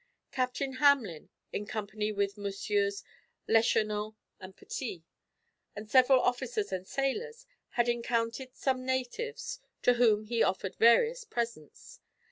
Captain Hamelin, in company with MM. Leschenant and Petit, and several officers and sailors, had encountered some natives, to whom he offered various presents.